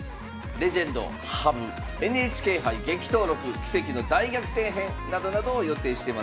「レジェンド羽生ＮＨＫ杯激闘録奇跡の大逆転編」などなどを予定してます。